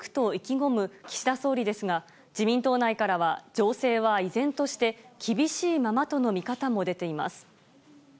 込む岸田総理ですが、自民党内からは情勢は依然として厳しいままとの見方も出ています。